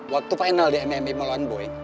waktu final di mma malone boy